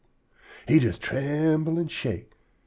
he jes tremble an' shake.